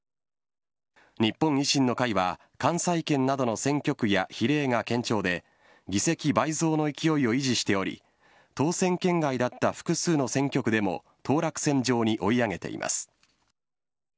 日本維新の会は関西圏などの選挙区や比例が堅調で議席倍増の勢いを維持しており当選圏外だった複数の選挙区でも当落線上に追い上げています。